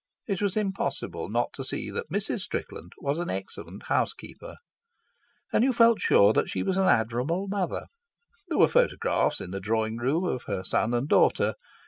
It was impossible not to see that Mrs. Strickland was an excellent housekeeper. And you felt sure that she was an admirable mother. There were photographs in the drawing room of her son and daughter.